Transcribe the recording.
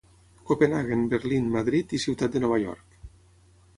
Copenhaguen, Berlín, Madrid i Ciutat de Nova York.